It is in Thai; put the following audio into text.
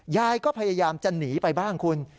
ยายก็พยายามจะหนีไปบ้างคุณ